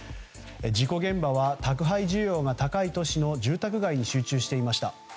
事故現場は宅配需要が高い都市の住宅街に集中していました。